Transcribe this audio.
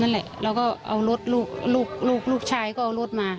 นั่นแหละแล้วก็เอารถลูกลูกชายก็เอารถมา